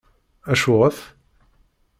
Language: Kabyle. Acuɣef?